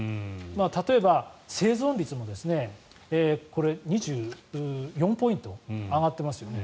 例えば、生存率も２４ポイント上がってますよね。